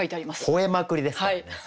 「吠えまくり」ですからね。